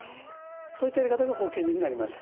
そういったやり方がホー吸入になります。